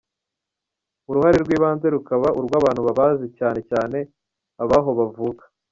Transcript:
Uruhare rw’ibanze rukaba urw’abantu babazi cyane cyane ab’aho bavuka.